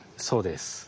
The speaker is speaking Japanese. そうです。